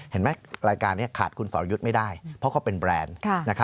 เห็นไหมลายกานนี้ขาดคุณสอร์ยุทธไม่ได้เพราะเขาเป็นแบรนด์